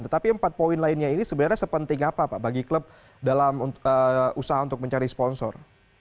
tetapi empat poin lainnya ini sebenarnya sepenting apa pak bagi klub dalam usaha untuk mencari sponsor